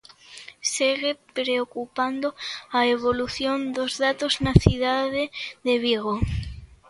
Segue preocupando a evolución dos datos na cidade de Vigo.